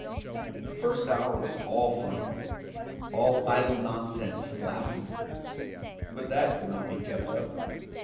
The first hour was all fun, all idle nonsense and laughter. But that could not be kept up.